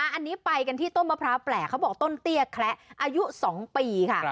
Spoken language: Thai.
อันนี้ไปกันที่ต้นมะพร้าวแปลกเขาบอกต้นเตี้ยแคละอายุ๒ปีค่ะ